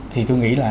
thì tôi nghĩ là